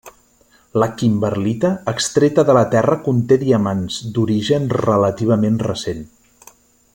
La kimberlita extreta de la terra conté diamants d'origen relativament recent.